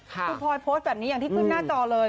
คุณพลอยโพสต์แบบนี้อย่างที่ขึ้นหน้าจอเลย